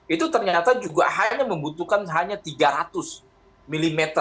itu ternyata juga hanya membutuhkan hanya tiga ratus mm